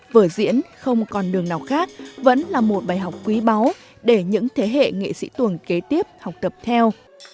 vở diễn không còn đường nào khác vẫn là một bài học quý báu để những thế hệ nghệ sĩ tuồng kế tiếp học tập theo